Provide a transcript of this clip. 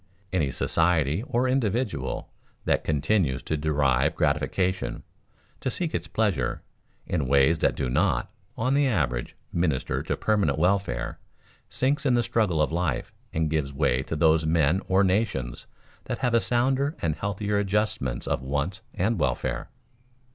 Any society or individual that continues to derive gratification, to seek its pleasure, in ways that do not, on the average, minister to permanent welfare, sinks in the struggle of life and gives way to those men or nations that have a sounder and healthier adjustment of wants and welfare.